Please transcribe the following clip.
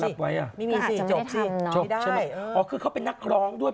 ก็อาจจะไม่ได้ทำไม่ได้ชบใช่ไหมอ๋อคือเขาเป็นนักร้องด้วย